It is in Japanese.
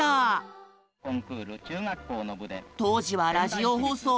当時はラジオ放送。